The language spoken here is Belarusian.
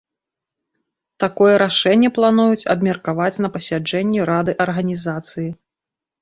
Такое рашэнне плануюць абмеркаваць на пасяджэнні рады арганізацыі.